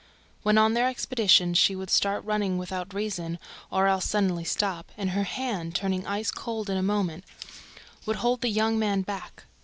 When on their expeditions, she would start running without reason or else suddenly stop; and her hand, turning ice cold in a moment, would hold the young man back.